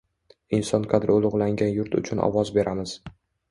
Inson qadri ulug‘langan yurt uchun ovoz beramiz